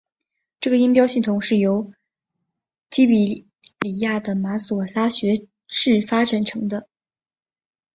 这个音标系统是由提比哩亚的马所拉学士发展成的。